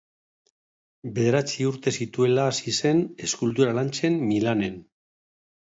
Bederatzi urte zituela hasi zen eskultura lantzen Milanen.